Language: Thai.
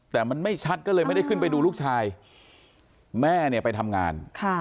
แต่มันไม่ชัดก็เลยไม่ได้ขึ้นไปดูลูกชายแม่เนี่ยไปทำงาน